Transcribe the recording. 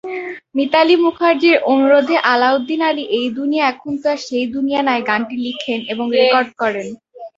মিতালী মুখার্জির অনুরোধে আলাউদ্দিন আলী "এই দুনিয়া এখন তো আর সেই দুনিয়া নাই" গানটি লিখেন এবং রেকর্ড করেন।